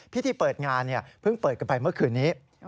พิธีเปิดงานเพิ่งเปิดกันไปเมื่อคืนนี้